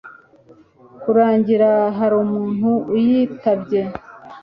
kurangira hari umuntu uyitabye